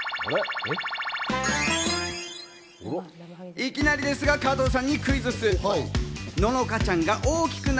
いきなりですが、加藤さんにクイズッス！